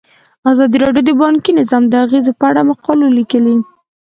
ازادي راډیو د بانکي نظام د اغیزو په اړه مقالو لیکلي.